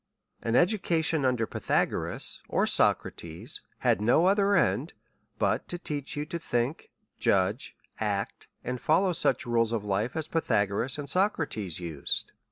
An education under Pythagoras, or Socrates, had no other end, but to teach youth to think, judge, act, and follow such rules of life, as Pythagoras and Socrates used.